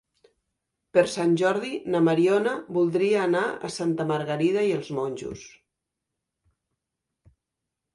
Per Sant Jordi na Mariona voldria anar a Santa Margarida i els Monjos.